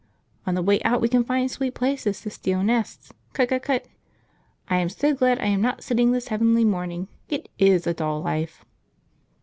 On the way out we can find sweet places to steal nests ... Cut cut cut! ... I am so glad I am not sitting this heavenly morning; it is a dull life."